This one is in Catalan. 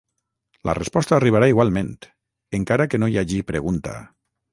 La resposta arribarà igualment, encara que no hi hagi pregunta.